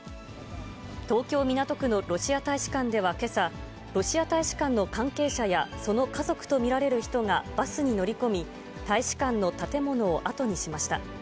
東京・港区のロシア大使館ではけさ、ロシア大使館の関係者やその家族と見られる人がバスに乗り込み、大使館の建物を後にしました。